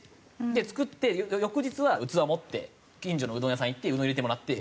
で作って翌日は器持って近所のうどん屋さんへ行ってうどん入れてもらって。